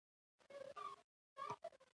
هېواد ته وفاداري غیرت دی